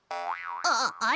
あっあれ？